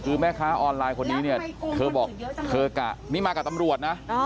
คือแม่ค้าออนไลน์คนนี้เนี่ยเธอบอกเธอกะนี่มากับตำรวจนะ